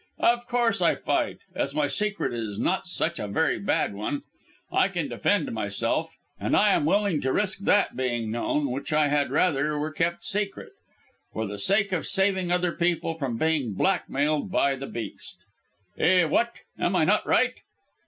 "Of course I fight, as my secret is not such a very bad one. I can defend myself, and I am willing to risk that being known which I had rather were kept silent, for the sake of saving other people from being blackmailed by the beast. Eh, what? Am I not right?"